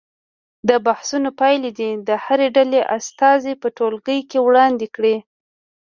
د بحثونو پایلې دې د هرې ډلې استازي په ټولګي کې وړاندې کړي.